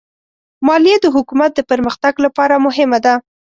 مالیه د حکومت د پرمختګ لپاره مهمه ده.